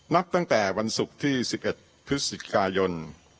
นับตั้งแต่วันศุกร์ที่๑๑พฤศจิกายน